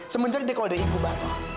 semenjak dia kalau ada ikut batal